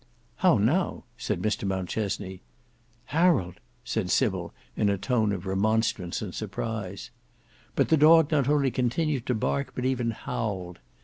"How now!" said Mr Mountchesney. "Harold!" said Sybil in a tone of remonstrance and surprise. But the dog not only continued to bark but even howled.